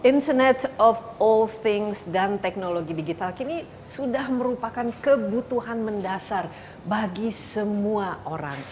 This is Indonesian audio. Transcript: internet of all things dan teknologi digital kini sudah merupakan kebutuhan mendasar bagi semua orang